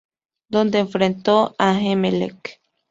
Donde enfrentó a Emelec.